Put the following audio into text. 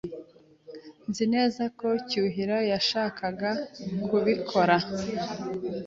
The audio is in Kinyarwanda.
Nzi neza ko Cyuhira yashakaga kubikora.